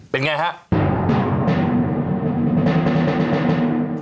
เป็นอย่างไร